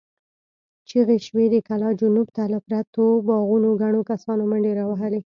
چيغې شوې، د کلا جنوب ته له پرتو باغونو ګڼو کسانو منډې را وهلې.